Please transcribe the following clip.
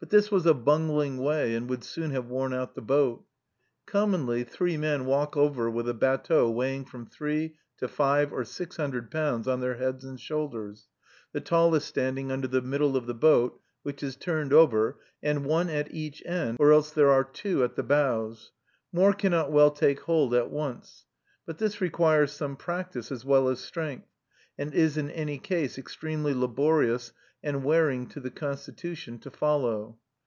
But this was a bungling way, and would soon have worn out the boat. Commonly, three men walk over with a batteau weighing from three to five or six hundred pounds on their heads and shoulders, the tallest standing under the middle of the boat, which is turned over, and one at each end, or else there are two at the bows. More cannot well take hold at once. But this requires some practice, as well as strength, and is in any case extremely laborious, and wearing to the constitution, to follow.